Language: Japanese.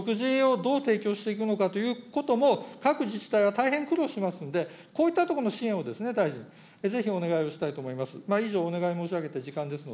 こうなると、子どもたちの居場所をどうしていくのかとか、食事をどう提供していくのかということも、各自治体は大切苦労してますんで、こういったところの支援を、大臣、ぜひ、お願いをしたいと思います。